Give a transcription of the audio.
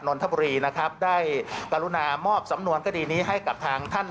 นนทบุรีนะครับได้กรุณามอบสำนวนคดีนี้ให้กับทางท่าน